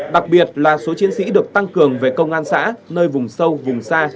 đặc biệt là số chiến sĩ được tăng cường về công an xã nơi vùng sâu vùng xa